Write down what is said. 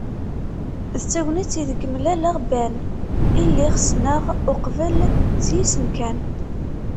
D tagnit ideg mlaleɣ Ben, i lliɣ ssneɣ uqbel s yisem kan.